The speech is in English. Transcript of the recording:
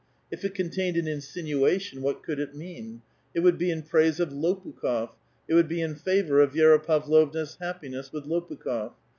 if it contained n insinuation, what could it mean ? It would be in praise Xx>pukh6f ; it would be in favor of Vi^ra Pavlovna*s happi with Lopukh6f.